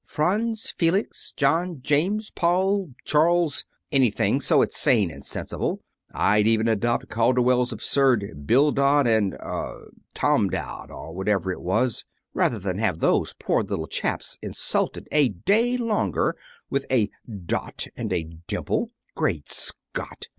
"Franz, Felix, John, James, Paul, Charles anything, so it's sane and sensible! I'd even adopt Calderwell's absurd Bildad and er Tomdad, or whatever it was, rather than have those poor little chaps insulted a day longer with a 'Dot' and a 'Dimple.' Great Scott!"